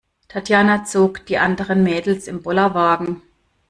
Tatjana zog die anderen Mädels im Bollerwagen.